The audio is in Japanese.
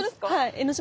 江の島